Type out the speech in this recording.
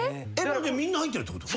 みんな入ってるってこと？